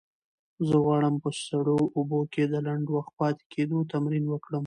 زه غواړم په سړو اوبو کې د لنډ وخت پاتې کېدو تمرین وکړم.